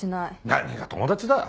何が友達だ。